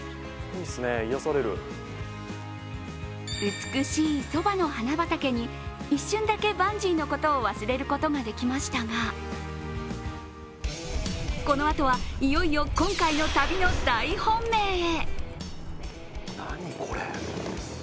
美しいそばの花畑に、一瞬だけバンジーのことを忘れることができましたがこのあとは、いよいよ今回の旅の大本命へ。